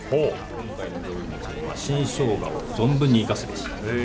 今回の料理のツボは新ショウガを存分に活かすべし。